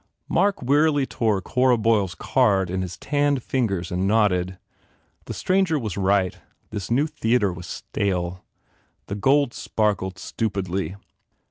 Mark wearily tore Cora Boyle s card in his tanned fingers and nodded. The stranger was right. This new theatre was stale. The gold sparkled stupidly.